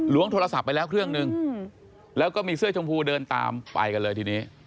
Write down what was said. โทรศัพท์ไปแล้วเครื่องนึงแล้วก็มีเสื้อชมพูเดินตามไปกันเลยทีนี้